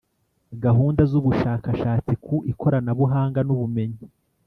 gahunda z'ubushakashatsi ku ikoranabuhanga n'ubumenyi